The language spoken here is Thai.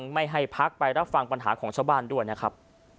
ไม่ให้พักไปรับฟังปัญหาของชาวบ้านด้วยนะครับ